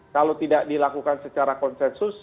kalau tidak dilakukan secara konsensus